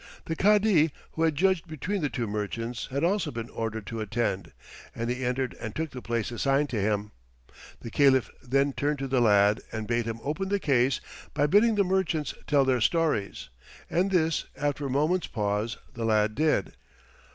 The Cadi who had judged between the two merchants had also been ordered to attend, and he entered and took the place assigned to him. The Caliph then turned to the lad and bade him open the case by bidding the merchants tell their stories, and this, after a moment's pause, the lad did.